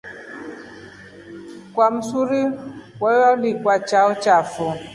Kwa msuri kwaulika chao fo.